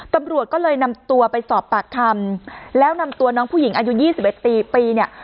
ตำรวจก็เลยนำตัวไปสอบปากคำแล้วนำตัวน้องผู้หญิงอายุ๒๑ปีปีเนี่ย